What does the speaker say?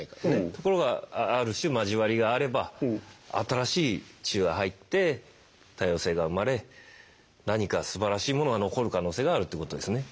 ところがある種交わりがあれば新しい血が入って多様性が生まれ何かすばらしいものが残る可能性があるってことですね。